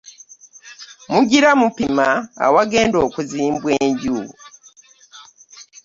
Mugira mupima awagenda okuzimbwa enju.